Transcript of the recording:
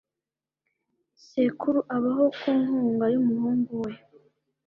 Sekuru abaho ku nkunga y'umuhungu we.